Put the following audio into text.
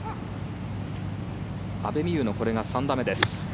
阿部未悠のこれが３打目です。